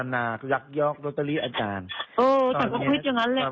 มันเจตนารักยอกโรตเตอรี่อาจารย์โอ้ฉันก็คิดอย่างนั้นเลย